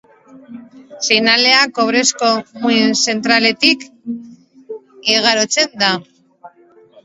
Seinalea kobrezko muin zentraletik igarotzen da.